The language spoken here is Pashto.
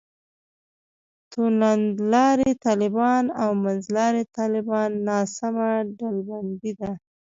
توندلاري طالبان او منځلاري طالبان ناسمه ډلبندي ده.